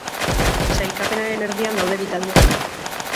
Sailkapenaren erdian daude bi taldeak.